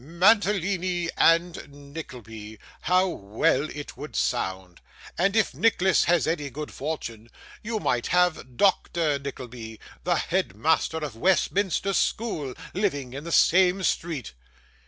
"Mantalini and Nickleby", how well it would sound! and if Nicholas has any good fortune, you might have Doctor Nickleby, the head master of Westminster School, living in the same street.